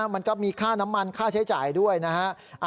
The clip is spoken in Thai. มันก็มีค่าน้ำมันค่าใช้จ่ายด้วยนะฮะ